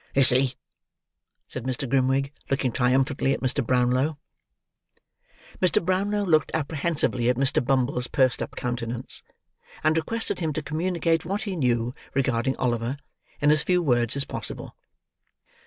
"You see?" said Mr. Grimwig, looking triumphantly at Mr. Brownlow. Mr. Brownlow looked apprehensively at Mr. Bumble's pursed up countenance; and requested him to communicate what he knew regarding Oliver, in as few words as possible.